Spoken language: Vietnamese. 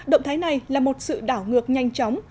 động thái này là một sự đảo ngược nhanh chóng